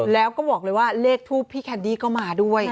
แล้วก็บอกเลยว่าเลขทูปพี่แคนดี้ก็มาด้วย